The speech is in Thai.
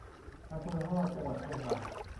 อำเภอฮอด จังหวัดเชียงใหม่